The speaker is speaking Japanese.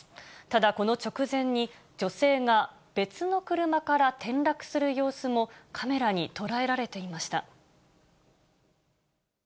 ただ、この直前に、女性が別の車から転落する様子もカメラに捉えられていました。